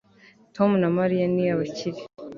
tom na mariya ni abakire